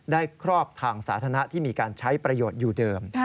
ครอบทางสาธารณะที่มีการใช้ประโยชน์อยู่เดิม